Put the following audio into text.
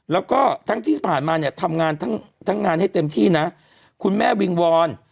แล้วก็ทั้งที่ผ่านมาเนี่ยทำงานทั้งทั้งงานให้เต็มที่นะคุณแม่วิงวอน